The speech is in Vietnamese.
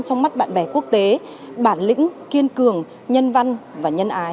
trong mắt bạn bè quốc tế bản lĩnh kiên cường nhân văn và nhân ái